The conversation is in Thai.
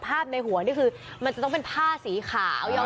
ในหัวนี่คือมันจะต้องเป็นผ้าสีขาว